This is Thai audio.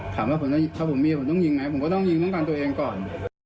ถามว่าถ้าผมมีผมต้องยิงไหมผมก็ต้องยิงป้องกันตัวเองก่อน